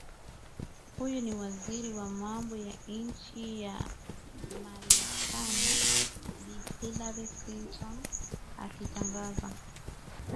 huyu hi waziri wa mambo ya nchi ya marekani bi hillary clinton akitangaza